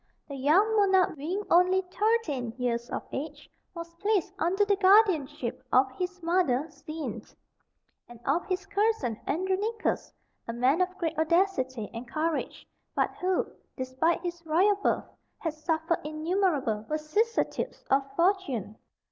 The young monarch being only thirteen years of age, was placed under the guardianship of his mother Xene, and of his cousin Andronicus, a man of great audacity and courage, but who, despite his royal birth, had suffered innumerable vicissitudes of fortune.